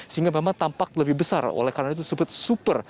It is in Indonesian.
sehingga memang tampak lebih besar oleh karena itu disebut super